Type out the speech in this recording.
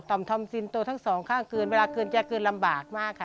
มธอมซินโตทั้งสองข้างคืนเวลาเกินจะคืนลำบากมากค่ะ